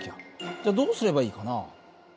じゃどうすればいいかな？